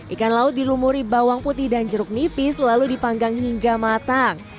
ikan laut dilumuri bawang putih dan jeruk nipis lalu dipanggang hingga matang